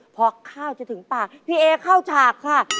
พอข้าวจะถึงปากพี่เอเข้าฉากค่ะ